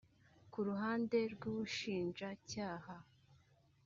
Ku ruhande rw'Ubushinjacyaha